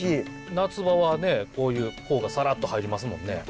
夏場はねこういう方がさらっと入りますもんね。